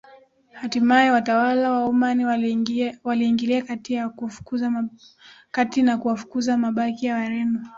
Hatimaye watawala wa Omani waliingilia kati na kuwafukuza mabaki ya Wareno